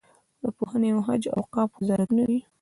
د پوهنې او حج او اوقافو وزارتونه دي.